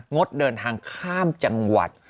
งดเดินทางข้ามจังหวัด